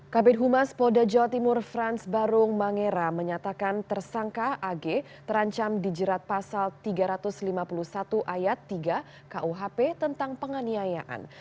kabit humas polda jawa timur frans barung mangera menyatakan tersangka ag terancam dijerat pasal tiga ratus lima puluh satu ayat tiga kuhp tentang penganiayaan